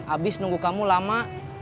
abis nunggu kamu lama